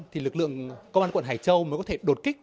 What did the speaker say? vì vậy lực lượng công an quận hải châu mới có thể đột kích